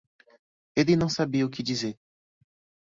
Ele não sabia o que dizer.